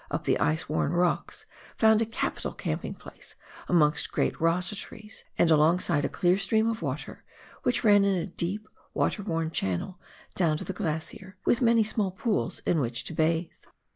up the ice worn rocks, found a capital camping place amongst great rata trees, and alongside a clear stream of water, which ran in a deep, water worn channel down to the glacier, with many small pools in which to bathe.